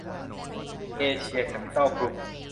เอเชีย แคปปิตอล กรุ๊ป